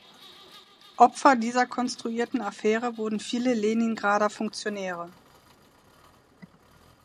Opfer dieser konstruierten Affäre wurden viele Leningrader Funktionäre.